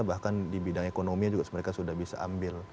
bahkan di bidang ekonomi juga mereka sudah bisa ambil